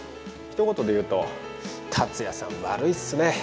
ひと言で言うと、竜也さん、悪いっすね。